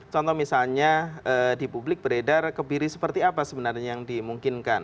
contoh misalnya di publik beredar kebiri seperti apa sebenarnya yang dimungkinkan